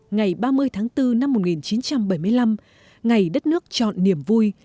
ngày ba mươi tháng bốn năm một nghìn chín trăm bảy mươi năm ngày đất nước chọn niềm vui